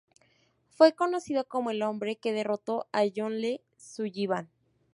Fue conocido como el hombre que derrotó a John L. Sullivan.